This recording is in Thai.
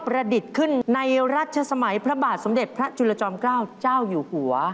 ดิษฐ์ขึ้นในรัชสมัยพระบาทสมเด็จพระจุลจอมเกล้าเจ้าอยู่หัว